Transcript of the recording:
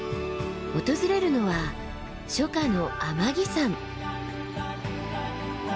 訪れるのは初夏の天城山。